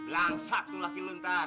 langsak tuh laki lu ntar